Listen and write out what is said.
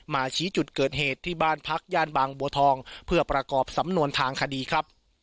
ชี้จุดเกิดเหตุที่บ้านพักย่านบางบัวทองเพื่อประกอบสำนวนทางคดีครับ